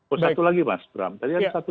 oh satu lagi mas bram tadi ada satu